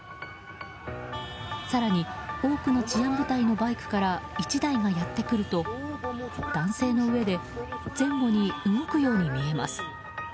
更に多くの治安部隊のバイクから１台がやってくると男性の上で前後に動くように見えます。